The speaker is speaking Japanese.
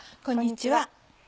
こんにちは。